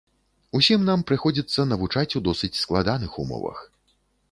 Усім нам прыходзіцца навучаць у досыць складаных умовах.